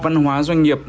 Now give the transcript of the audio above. văn hóa doanh nghiệp